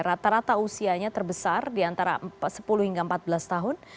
rata rata usianya terbesar di antara sepuluh hingga empat belas tahun